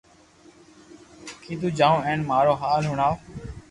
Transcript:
ڪنو جاو ھين مارو ھال ھڻاوو